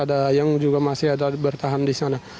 ada yang juga masih ada bertahan di sana